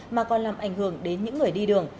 mà còn làm ảnh hưởng đến những người đi đường